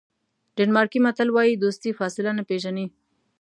ډنمارکي متل وایي دوستي فاصله نه پیژني.